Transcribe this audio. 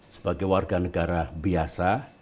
sebagai warga negara biasa